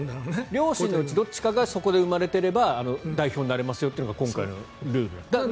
両親のうちのどちらかがそこで生まれていたら代表になれますよというのが今回のルールだから。